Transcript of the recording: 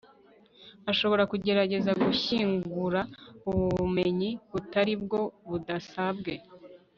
ashobora kugerageza gushyingura ubu bumenyi butari bwo, budasabwe